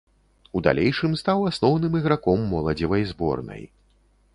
У далейшым стаў асноўным іграком моладзевай зборнай.